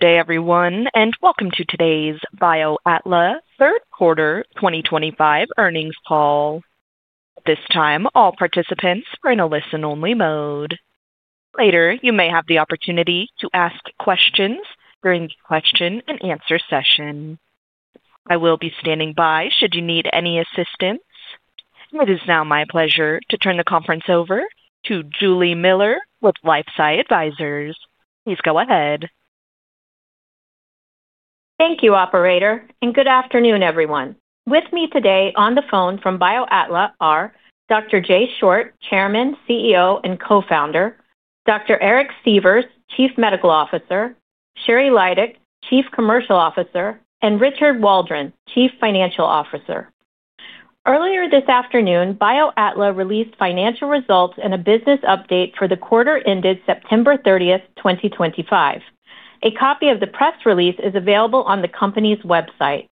Good day, everyone, and welcome to today's BioAtla Third Quarter 2025 Earnings Call. At this time, all participants are in a listen-only mode. Later, you may have the opportunity to ask questions during the question-and-answer session. I will be standing by should you need any assistance. It is now my pleasure to turn the conference over to Julie Miller with LifeSci Advisors. Please go ahead. Thank you, Operator. Good afternoon, everyone. With me today on the phone from BioAtla are Dr. Jay Short, Chairman, CEO, and co-founder; Dr. Eric Sievers, Chief Medical Officer; Sheri Lydick, Chief Commercial Officer; and Richard Waldron, Chief Financial Officer. Earlier this afternoon, BioAtla released financial results and a business update for the quarter ended September 30, 2025. A copy of the press release is available on the company's website.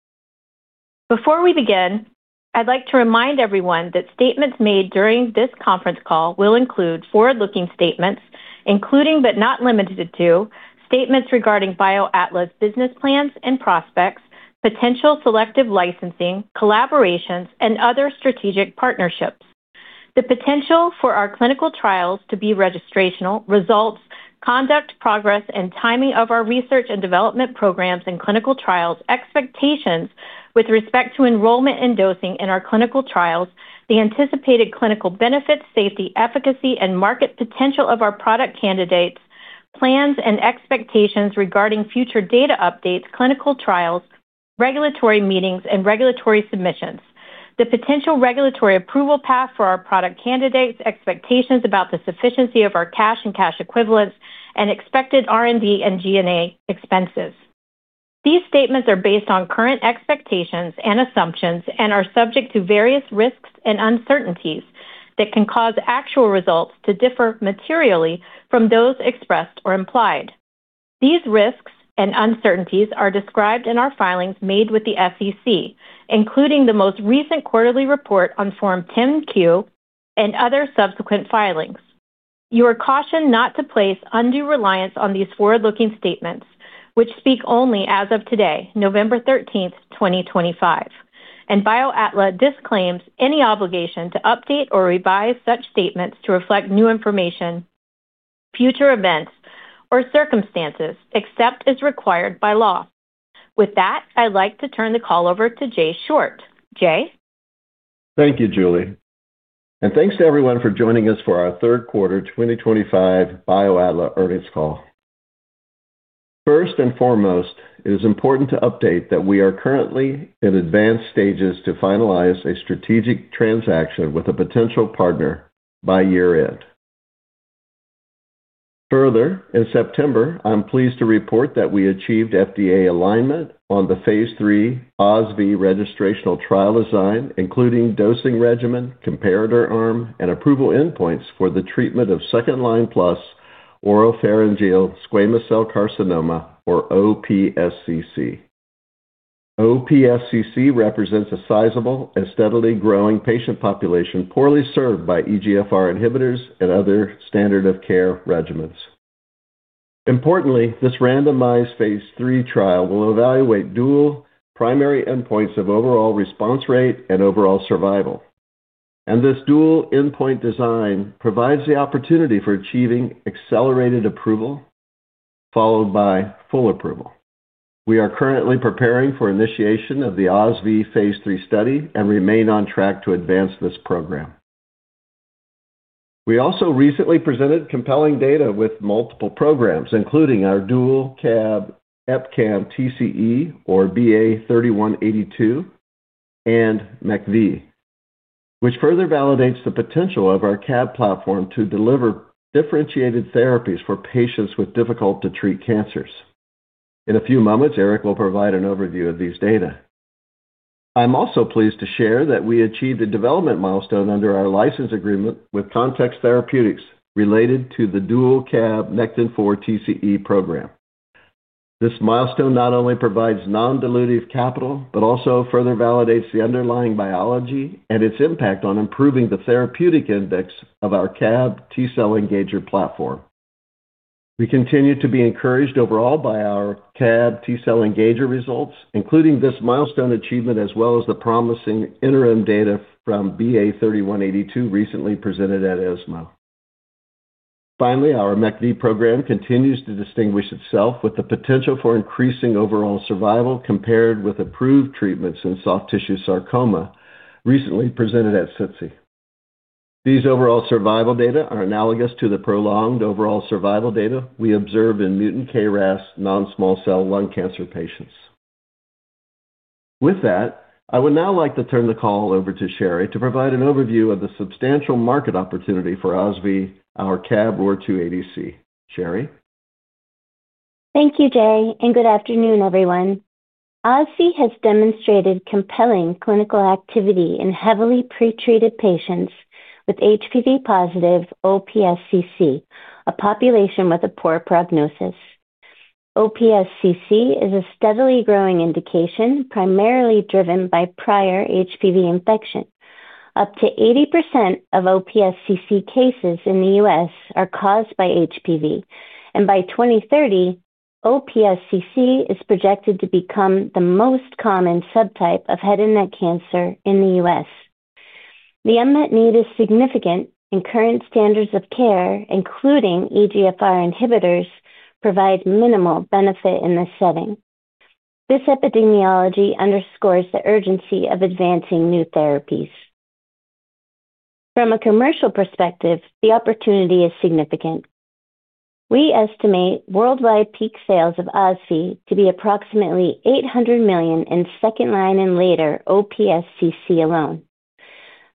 Before we begin, I'd like to remind everyone that statements made during this conference call will include forward-looking statements, including but not limited to statements regarding BioAtla's business plans and prospects, potential selective licensing, collaborations, and other strategic partnerships. The potential for our clinical trials to be registrational, results, conduct, progress, and timing of our research and development programs and clinical trials, expectations with respect to enrollment and dosing in our clinical trials, the anticipated clinical benefits, safety, efficacy, and market potential of our product candidates, plans and expectations regarding future data updates, clinical trials, regulatory meetings, and regulatory submissions, the potential regulatory approval path for our product candidates, expectations about the sufficiency of our cash and cash equivalents, and expected R&D and G&A expenses. These statements are based on current expectations and assumptions and are subject to various risks and uncertainties that can cause actual results to differ materially from those expressed or implied. These risks and uncertainties are described in our filings made with the SEC, including the most recent quarterly report on Form 10-Q and other subsequent filings. You are cautioned not to place undue reliance on these forward-looking statements, which speak only as of today, November 13, 2025. BioAtla disclaims any obligation to update or revise such statements to reflect new information, future events, or circumstances, except as required by law. With that, I'd like to turn the call over to Jay Short. Jay? Thank you, Julie. And thanks to everyone for joining us for our third quarter 2025 BioAtla earnings call. First and foremost, it is important to update that we are currently in advanced stages to finalize a strategic transaction with a potential partner by year-end. Further, in September, I'm pleased to report that we achieved FDA alignment on the phase III OSV registrational trial design, including dosing regimen, comparator arm, and approval endpoints for the treatment of second-line plus Oropharyngeal Squamous Cell Carcinoma, or OPSCC. OPSCC represents a sizable and steadily growing patient population poorly served by EGFR inhibitors and other standard-of-care regimens. Importantly, this randomized phase 3 trial will evaluate dual primary endpoints of overall response rate and overall survival. And this dual endpoint design provides the opportunity for achieving accelerated approval followed by full approval. We are currently preparing for initiation of the OSV phase III study and remain on track to advance this program. We also recently presented compelling data with multiple programs, including our dual CAB, EpCAM, TCE, or BA3182, and MCV, which further validates the potential of our CAB platform to deliver differentiated therapies for patients with difficult-to-treat cancers. In a few moments, Eric will provide an overview of these data. I'm also pleased to share that we achieved a development milestone under our license agreement with Context Therapeutics related to the dual CAB, NECTIN-4 TCE program. This milestone not only provides non-dilutive capital but also further validates the underlying biology and its impact on improving the therapeutic index of our CAB T-cell engager platform. We continue to be encouraged overall by our CAB T-cell engager results, including this milestone achievement as well as the promising interim data from BA3182 recently presented at ESMO. Finally, our MCV program continues to distinguish itself with the potential for increasing overall survival compared with approved treatments in soft tissue sarcoma recently presented at [CTOS]. These overall survival data are analogous to the prolonged overall survival data we observe in mutant KRAS non-small cell lung cancer patients. With that, I would now like to turn the call over to Sheri to provide an overview of the substantial market opportunity for OSV, our CAB ROR-280C. Sheri? Thank you, Jay, and good afternoon, everyone. OSV has demonstrated compelling clinical activity in heavily pretreated patients with HPV-positive OPSCC, a population with a poor prognosis. OPSCC is a steadily growing indication primarily driven by prior HPV infection. Up to 80% of OPSCC cases in the U.S. are caused by HPV, and by 2030, OPSCC is projected to become the most common subtype of head and neck cancer in the U.S. The unmet need is significant, and current standards of care, including EGFR inhibitors, provide minimal benefit in this setting. This epidemiology underscores the urgency of advancing new therapies. From a commercial perspective, the opportunity is significant. We estimate worldwide peak sales of OSV to be approximately $800 million in second-line and later OPSCC alone.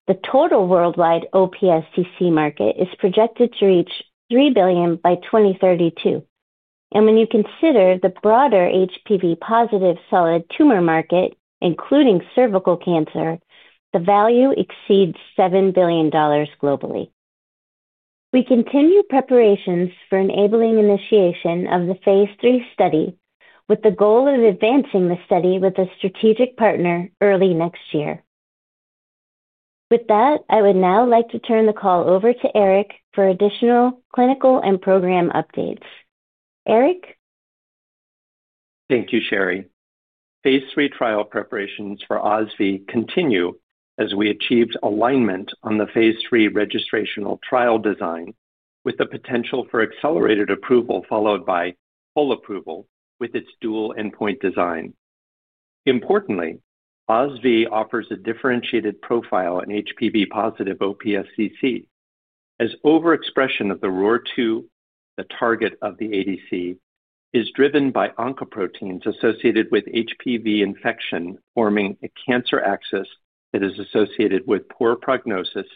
The total worldwide OPSCC market is projected to reach $3 billion by 2032. When you consider the broader HPV-positive solid tumor market, including cervical cancer, the value exceeds $7 billion globally. We continue preparations for enabling initiation of the phase III study with the goal of advancing the study with a strategic partner early next year. With that, I would now like to turn the call over to Eric for additional clinical and program updates. Eric? Thank you, Sheri. Phase 3 trial preparations for OSV continue as we achieved alignment on the phase III registrational trial design with the potential for accelerated approval followed by full approval with its dual endpoint design. Importantly, OSV offers a differentiated profile in HPV-positive OPSCC as overexpression of the ROR-2, the target of the ADC, is driven by oncoproteins associated with HPV infection forming a cancer axis that is associated with poor prognosis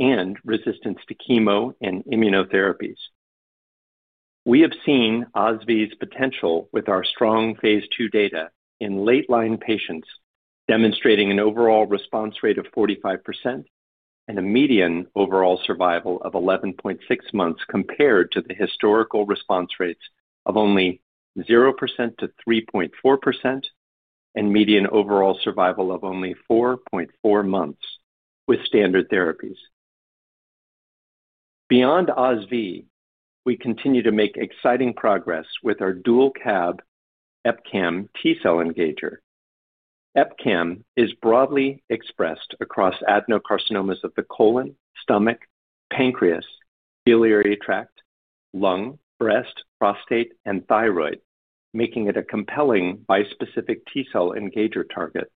and resistance to chemo and immunotherapies. We have seen OSV's potential with our strong phase II data in late-line patients demonstrating an overall response rate of 45% and a median overall survival of 11.6 months compared to the historical response rates of only 0%-3.4% and median overall survival of only 4.4 months with standard therapies. Beyond OSV, we continue to make exciting progress with our dual CAB, EpCAM, T-cell engager. EpCAM is broadly expressed across adenocarcinomas of the colon, stomach, pancreas, biliary tract, lung, breast, prostate, and thyroid, making it a compelling bispecific T-cell engager target.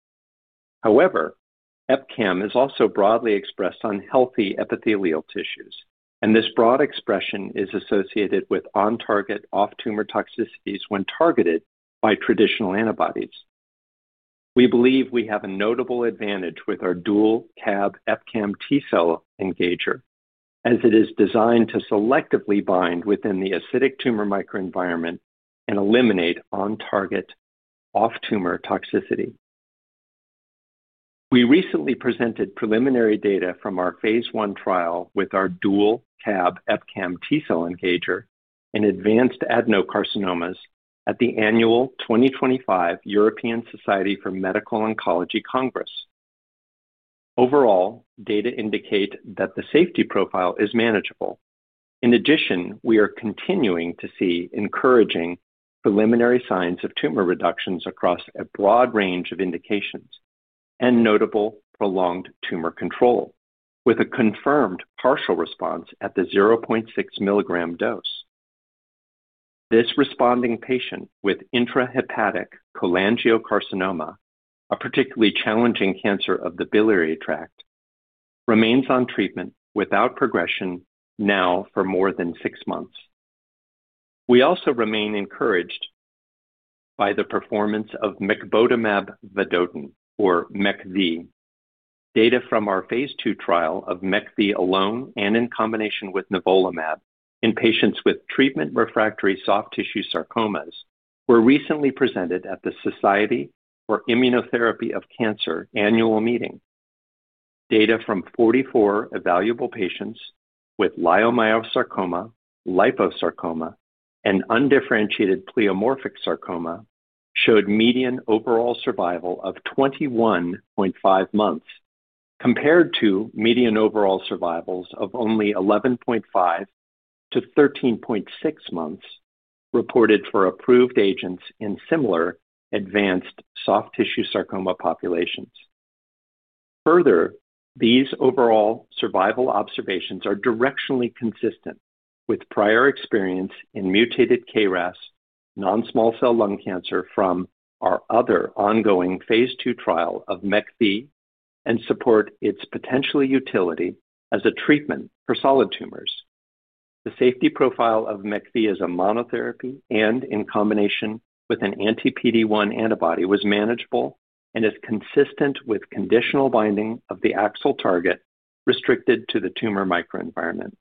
However, EpCAM is also broadly expressed on healthy epithelial tissues, and this broad expression is associated with on-target, off-tumor toxicities when targeted by traditional antibodies. We believe we have a notable advantage with our dual CAB, EpCAM, T-cell engager as it is designed to selectively bind within the acidic tumor microenvironment and eliminate on-target, off-tumor toxicity. We recently presented preliminary data from our phase I trial with our dual CAB, EpCAM, T-cell engager in advanced adenocarcinomas at the annual 2025 European Society for Medical Oncology Congress. Overall, data indicate that the safety profile is manageable. In addition, we are continuing to see encouraging preliminary signs of tumor reductions across a broad range of indications and notable prolonged tumor control with a confirmed partial response at the 0.6 milligram dose. This responding patient with intrahepatic cholangiocarcinoma, a particularly challenging cancer of the biliary tract, remains on treatment without progression now for more than six months. We also remain encouraged by the performance of mecbotamab vedotin, or MCV. Data from our phase 2 trial of MCV alone and in combination with nivolumab in patients with treatment-refractory soft tissue sarcomas were recently presented at the Society for Immunotherapy of Cancer annual meeting. Data from 44 evaluable patients with leiomyosarcoma, liposarcoma, and undifferentiated pleomorphic sarcoma showed median overall survival of 21.5 months compared to median overall survivals of only 11.5-13.6 months reported for approved agents in similar advanced soft tissue sarcoma populations. Further, these overall survival observations are directionally consistent with prior experience in mutated KRAS non-small cell lung cancer from our other ongoing phase II trial of MCV and support its potential utility as a treatment for solid tumors. The safety profile of MCV as a monotherapy and in combination with an anti-PD-1 antibody was manageable and is consistent with conditional binding of the AXL target restricted to the tumor microenvironment.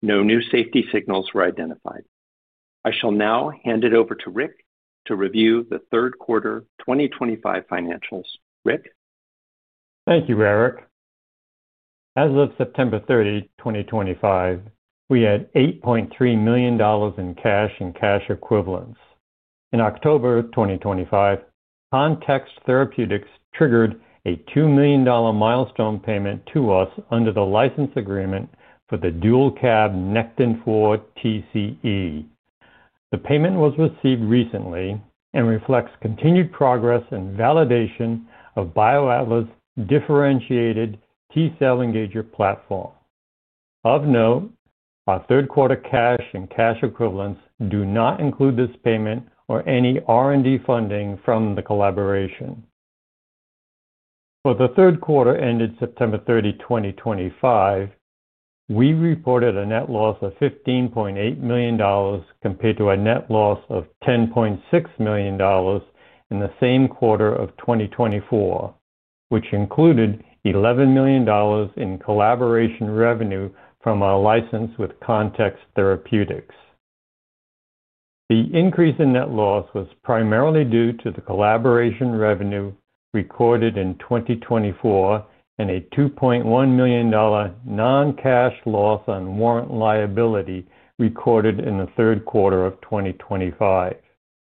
No new safety signals were identified. I shall now hand it over to Rick to review the third quarter 2025 financials. Rick? Thank you, Eric. As of September 30, 2025, we had $8.3 million in cash and cash equivalents. In October 2025, Context Therapeutics triggered a $2 million milestone payment to us under the license agreement for the dual CAB, NECTIN-4 TCE. The payment was received recently and reflects continued progress and validation of BioAtla's differentiated T-cell engager platform. Of note, our third quarter cash and cash equivalents do not include this payment or any R&D funding from the collaboration. For the third quarter ended September 30, 2025, we reported a net loss of $15.8 million compared to a net loss of $10.6 million in the same quarter of 2024, which included $11 million in collaboration revenue from our license with Context Therapeutics. The increase in net loss was primarily due to the collaboration revenue recorded in 2024 and a $2.1 million non-cash loss on warrant liability recorded in the third quarter of 2025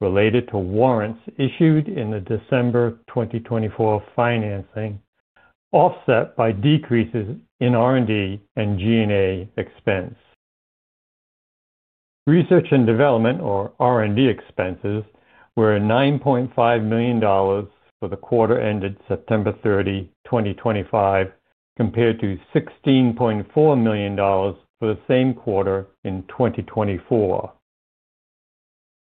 related to warrants issued in the December 2024 financing, offset by decreases in R&D and G&A expense. Research and development, or R&D expenses, were $9.5 million for the quarter ended September 30, 2025, compared to $16.4 million for the same quarter in 2024.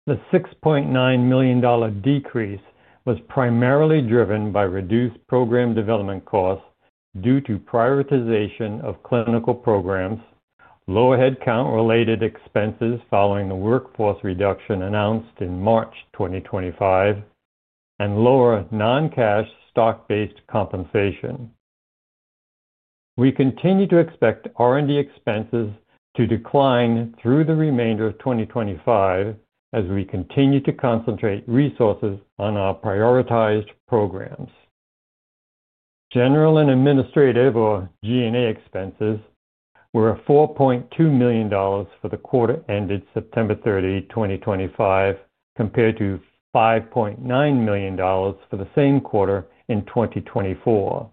The $6.9 million decrease was primarily driven by reduced program development costs due to prioritization of clinical programs, low headcount-related expenses following the workforce reduction announced in March 2025, and lower non-cash stock-based compensation. We continue to expect R&D expenses to decline through the remainder of 2025 as we continue to concentrate resources on our prioritized programs. General and administrative, or G&A expenses, were $4.2 million for the quarter ended September 30, 2025, compared to $5.9 million for the same quarter in 2024.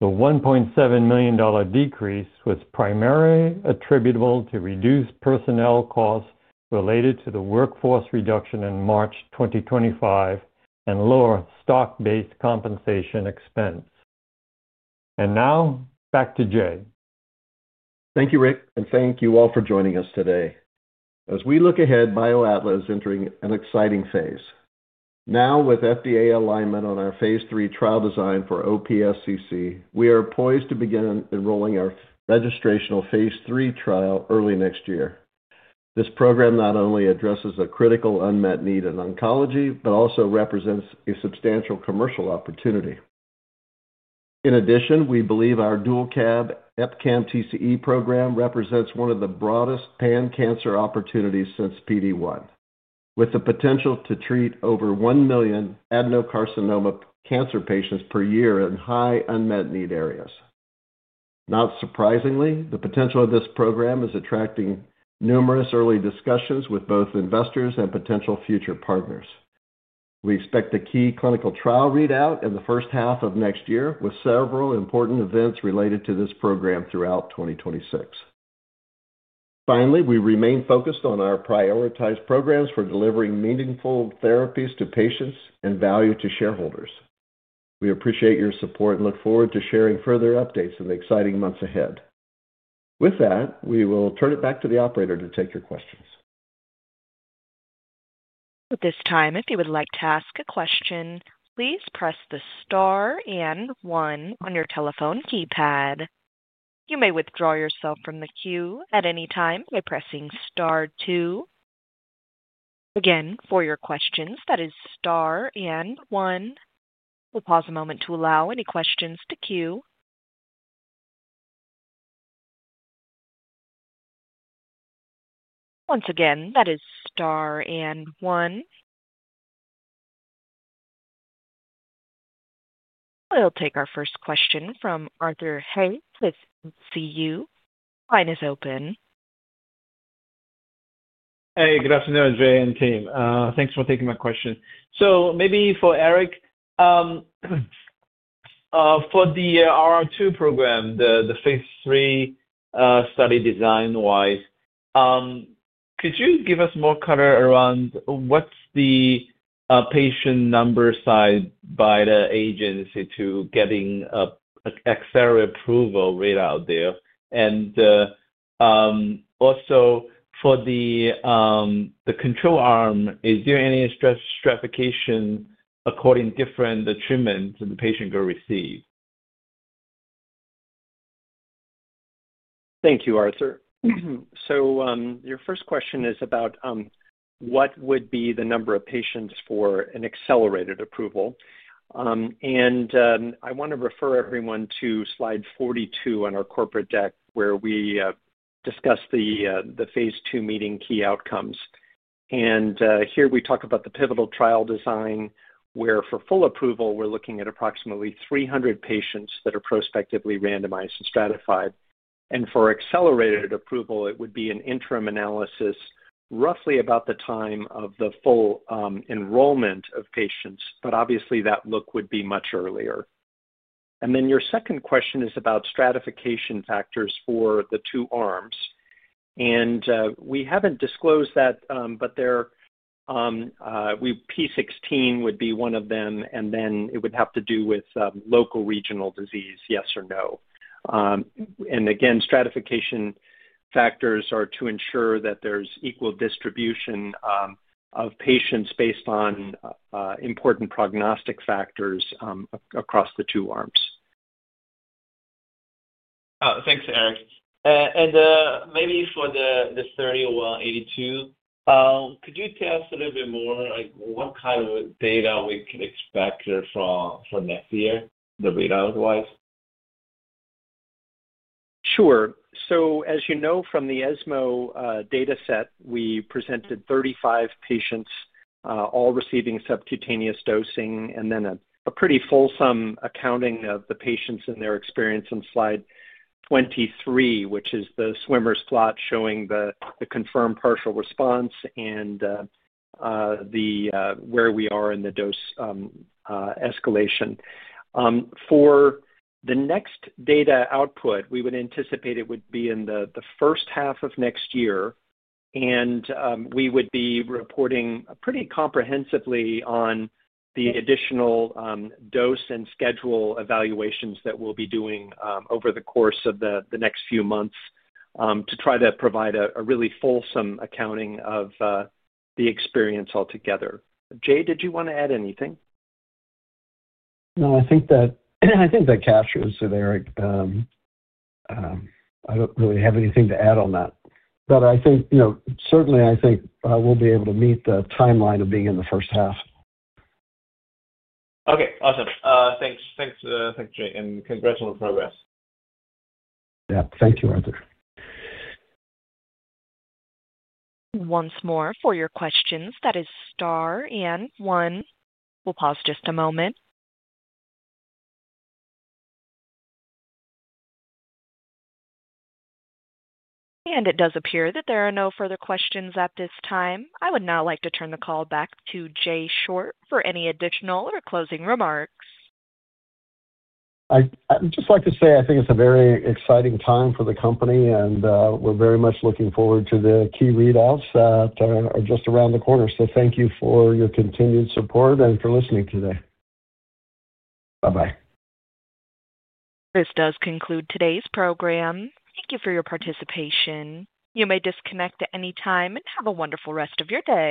The $1.7 million decrease was primarily attributable to reduced personnel costs related to the workforce reduction in March 2025 and lower stock-based compensation expense. Now, back to Jay. Thank you, Rick, and thank you all for joining us today. As we look ahead, BioAtla is entering an exciting phase. Now, with FDA alignment on our phase III trial design for OPSCC, we are poised to begin enrolling our registrational phase 3 trial early next year. This program not only addresses a critical unmet need in oncology but also represents a substantial commercial opportunity. In addition, we believe our dual CAB, EpCAM, TCE program represents one of the broadest pan-cancer opportunities since PD-1, with the potential to treat over 1 million adenocarcinoma cancer patients per year in high unmet need areas. Not surprisingly, the potential of this program is attracting numerous early discussions with both investors and potential future partners. We expect a key clinical trial readout in the first half of next year, with several important events related to this program throughout 2026. Finally, we remain focused on our prioritized programs for delivering meaningful therapies to patients and value to shareholders. We appreciate your support and look forward to sharing further updates in the exciting months ahead. With that, we will turn it back to the operator to take your questions. At this time, if you would like to ask a question, please press the star and one on your telephone keypad. You may withdraw yourself from the queue at any time by pressing star two. Again, for your questions, that is star and one. We'll pause a moment to allow any questions to queue. Once again, that is star and one. We'll take our first question from Arthur Hay, with CU. Line is open. Hey, good afternoon, Jay and team. Thanks for taking my question. Maybe for Eric, for the ROR-2 program, the phase III study design-wise, could you give us more color around what's the patient number side by the agency to getting accelerated approval readout there? Also, for the control arm, is there any stratification according to different treatments the patient could receive? Thank you, Arthur. Your first question is about what would be the number of patients for an accelerated approval. I want to refer everyone to slide 42 on our corporate deck, where we discuss the phase 2 meeting key outcomes. Here, we talk about the pivotal trial design, where for full approval, we're looking at approximately 300 patients that are prospectively randomized and stratified. For accelerated approval, it would be an interim analysis roughly about the time of the full enrollment of patients, but obviously, that look would be much earlier. Your second question is about stratification factors for the two arms. We haven't disclosed that, but P16 would be one of them, and then it would have to do with local regional disease, yes or no. Stratification factors are to ensure that there's equal distribution of patients based on important prognostic factors across the two arms. Thanks, Eric. Maybe for the 3182, could you tell us a little bit more what kind of data we could expect from next year, the readout-wise? Sure. As you know from the ESMO dataset, we presented 35 patients, all receiving subcutaneous dosing, and then a pretty fulsome accounting of the patients and their experience in slide 23, which is the swimmer's plot showing the confirmed partial response and where we are in the dose escalation. For the next data output, we would anticipate it would be in the first half of next year, and we would be reporting pretty comprehensively on the additional dose and schedule evaluations that we'll be doing over the course of the next few months to try to provide a really fulsome accounting of the experience altogether. Jay, did you want to add anything? No, I think that captures it, Eric. I do not really have anything to add on that. I think certainly, I think we will be able to meet the timeline of being in the first half. Okay. Awesome. Thanks, Jay, and congrats on the progress. Yeah. Thank you, Arthur. Once more, for your questions, that is star and one. We'll pause just a moment. It does appear that there are no further questions at this time. I would now like to turn the call back to Jay Short for any additional or closing remarks. I'd just like to say I think it's a very exciting time for the company, and we're very much looking forward to the key readouts that are just around the corner. Thank you for your continued support and for listening today. Bye-bye. This does conclude today's program. Thank you for your participation. You may disconnect at any time and have a wonderful rest of your day.